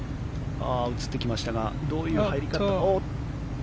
映ってきましたがどういう入り方。